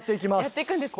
やっていくんですね。